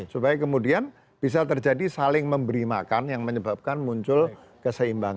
supaya kemudian bisa terjadi saling memberi makan yang menyebabkan muncul keseimbangan